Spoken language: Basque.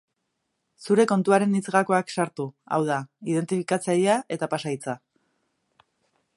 Zure kontuaren hitz-gakoak sartu, hau da, identifikatzailea eta pasahitza.